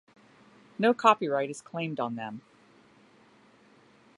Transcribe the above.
No copyright is claimed on them.